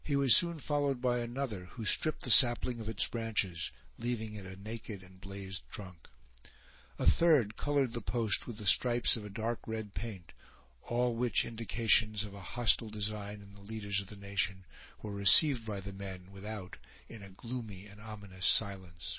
He was soon followed by another, who stripped the sapling of its branches, leaving it a naked and blazed trunk. A third colored the post with stripes of a dark red paint; all which indications of a hostile design in the leaders of the nation were received by the men without in a gloomy and ominous silence.